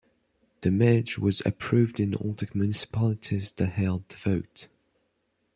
The merge was approved in all the municipalities that held the vote.